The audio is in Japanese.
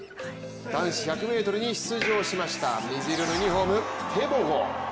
男子１００ｍに出場しました、水色のユニフォーム、テボゴ。